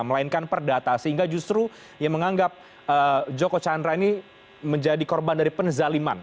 melainkan perdata sehingga justru yang menganggap joko chandra ini menjadi korban dari penzaliman